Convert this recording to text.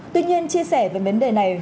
tuy nhiên chia sẻ về vấn đề này